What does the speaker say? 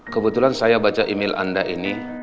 kebetulan saya baca email anda ini